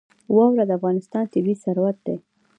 واوره د افغانستان طبعي ثروت دی.